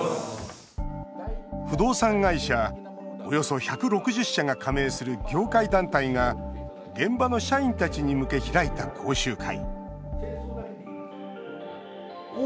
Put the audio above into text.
不動産会社およそ１６０社が加盟する業界団体が現場の社員たちに向け開いた講習会